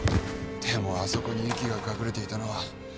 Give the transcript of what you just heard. でもあそこに由岐が隠れていたのは。